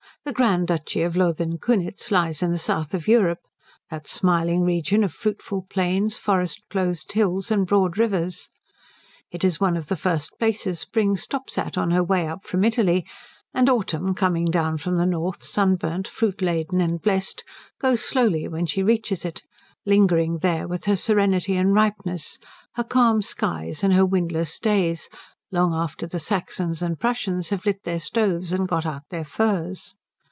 The Grand Duchy of Lothen Kunitz lies in the south of Europe; that smiling region of fruitful plains, forest clothed hills, and broad rivers. It is one of the first places Spring stops at on her way up from Italy; and Autumn, coming down from the north sunburnt, fruit laden, and blest, goes slowly when she reaches it, lingering there with her serenity and ripeness, her calm skies and her windless days long after the Saxons and Prussians have lit their stoves and got out their furs.